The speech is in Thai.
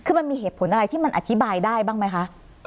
คือมันมีเหตุผลอะไรที่มันอธิบายได้บ้างไหมคะ